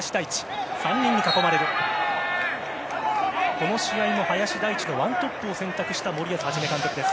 この試合も林大地の１トップを選択した森保一監督です。